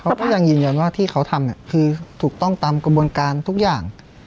เขาก็ยังยืนยันว่าที่เขาทำคือถูกต้องตามกระบวนการทุกอย่าง